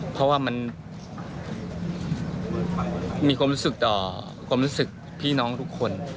เพราะว่ามันมีความรู้สึกต่อความรู้สึกพี่น้องทุกคน